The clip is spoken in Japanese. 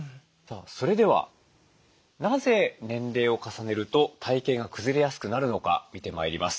それではなぜ年齢を重ねると体形がくずれやすくなるのか見てまいります。